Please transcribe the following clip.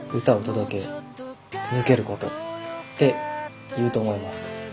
「歌を届け続けること」って言うと思います。